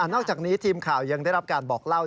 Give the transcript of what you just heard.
นอกจากนี้ทีมข่าวยังได้รับการบอกเล่า